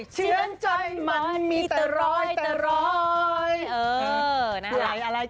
เชื่อนใจมันมีแต่ร้อยแต่ร้อย